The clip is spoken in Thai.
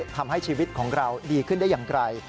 ทำให้ชีวิตของเราดีขึ้นได้อย่างไกล